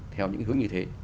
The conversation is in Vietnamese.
theo những hướng như thế